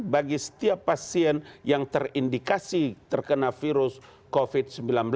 bagi setiap pasien yang terindikasi terkena virus covid sembilan belas